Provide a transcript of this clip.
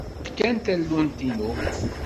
Sriɣ kan tallunt-inu.